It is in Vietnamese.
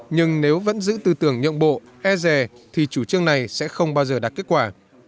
nhưng nếu vẫn giữ tư tưởng nhượng bộ e rè thì chủ trương này sẽ không bao giờ đạt kết quả